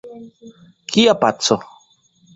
Kia paco?